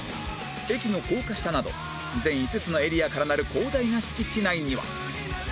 駅の高架下など全５つのエリアからなる広大な敷地内には